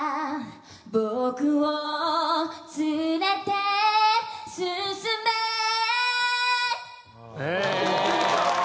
「僕を連れて進め」ああー！